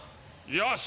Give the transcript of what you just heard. よし。